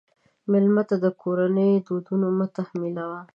مېلمه ته د کورنۍ دودونه مه تحمیلوه.